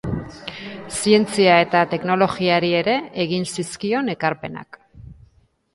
Zientzia eta teknologiari ere egin zizkion ekarpenak.